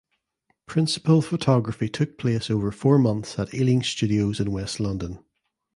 Principal photography took place over four months at Ealing Studios in West London.